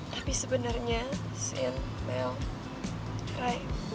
tapi sebenernya sin mel re